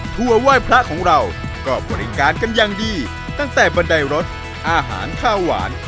ไหว้พระของเราก็บริการกันอย่างดีตั้งแต่บันไดรถอาหารข้าวหวาน